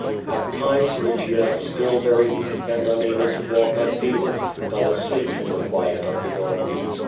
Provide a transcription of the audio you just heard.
At times Lygia, still very weak and unable to walk unaided, fell asleep in the quiet of the garden.